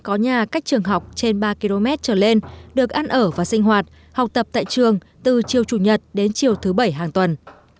có nhà cách trường học trên ba km trở lên được ăn ở và sinh hoạt học tập tại trường từ chiều chủ nhật đến chiều thứ bảy hàng tuần